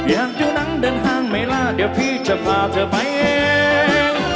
อยากดูหนังเดินห้างไหมล่ะเดี๋ยวพี่จะพาเธอไปเอง